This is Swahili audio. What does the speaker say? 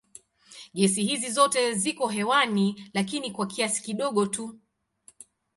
Gesi hizi zote ziko hewani lakini kwa kiasi kidogo tu.